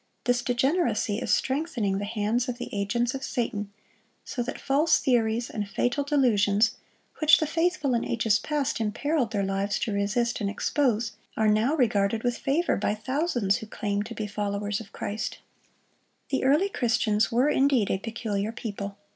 This degeneracy is strengthening the hands of the agents of Satan, so that false theories and fatal delusions which the faithful in ages past imperiled their lives to resist and expose, are now regarded with favor by thousands who claim to be followers of Christ. The early Christians were indeed a peculiar people.